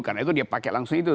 karena itu dia pakai langsung itu